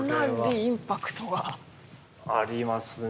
ありますね。